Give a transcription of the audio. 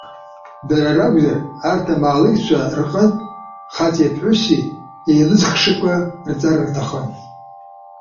Дара ракәзар, арҭ амалықьцәа рҟынтә хаҵеи-ԥҳәыси иеилызхшақәа рҵар рҭахын.